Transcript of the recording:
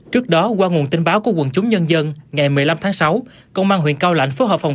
trước đó qua nguồn tin báo của quận chúng nhân dân ngày một mươi năm tháng sáu công an huyền cao lãnh phố hợp phòng